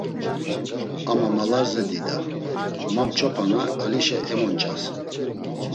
Ama malarze dida, ma mç̌opana, alişa emonç̌asen.